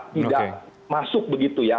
tidak masuk begitu ya